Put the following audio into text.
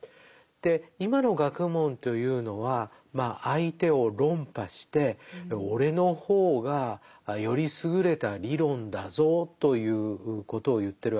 で今の学問というのはまあ相手を論破して俺の方がより優れた理論だぞということを言ってるわけですね。